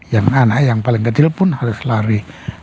yang anak yang paling kecil pun harus lari